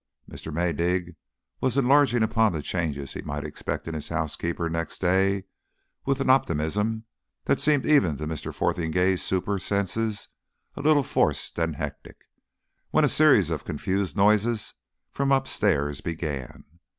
Mr. Maydig was enlarging on the changes he might expect in his housekeeper next day, with an optimism that seemed even to Mr. Fotheringay's supper senses a little forced and hectic, when a series of confused noises from upstairs began.